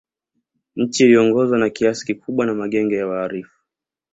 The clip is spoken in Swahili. Nchi iliongozwa na kiasi kikubwa na magenge ya wahalifu